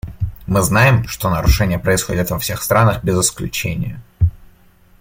Мы знаем, что нарушения происходят во всех странах без исключения.